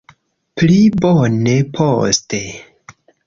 Pli bone poste